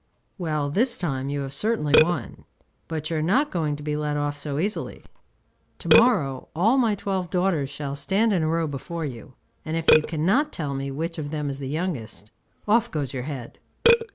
'Well, this time you have certainly won; but you are not going to be let off so easily. To morrow all my twelve daughters shall stand in a row before you, and if you cannot tell me which of them is the youngest, off goes your head.